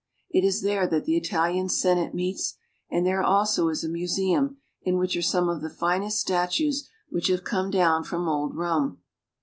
It is there that the Italian Senate meets, and there also is a museum in which are some of the finest statues which have come down from old Rome.